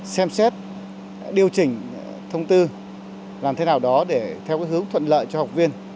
xem xét điều chỉnh thông tư làm thế nào đó để theo hướng thuận lợi cho học viên